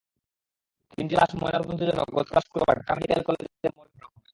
তিনটি লাশ ময়নাতদন্তের জন্য গতকাল শুক্রবার ঢাকা মেডিকেল কলেজের মর্গে পাঠানো হয়।